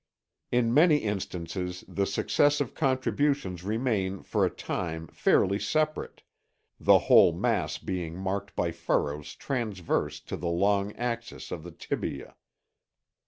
In many instances the successive contributions remain for a time fairly separate, the whole mass being marked by furrows transverse to the long axis of the tibia.